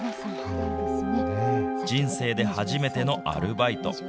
人生で初めてのアルバイト。